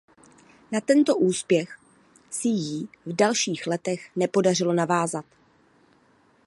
Na tento úspěch si jí v dalších letech nepodařilo navázat.